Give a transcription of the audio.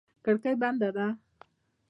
کړکۍ بنده ده.